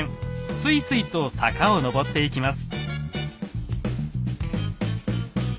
スイスイと坂を上っていきます。